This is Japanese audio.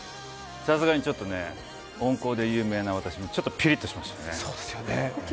さすがに、温厚で有名な私もちょっとピリッとしました。